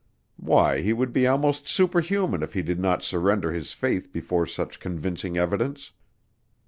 Why, he would be almost superman if he did not surrender his faith before such convincing evidence.